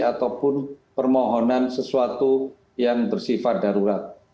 ataupun permohonan sesuatu yang bersifat darurat